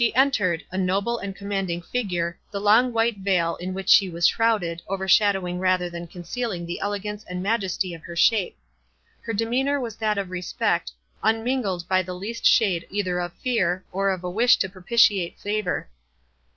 She entered—a noble and commanding figure, the long white veil, in which she was shrouded, overshadowing rather than concealing the elegance and majesty of her shape. Her demeanour was that of respect, unmingled by the least shade either of fear, or of a wish to propitiate favour.